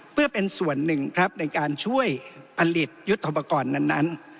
เพื่อเป็นส่วนหนึ่งครับในการช่วยผลิตยุทธโปรกรณ์นั้น